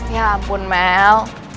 ya ampun mel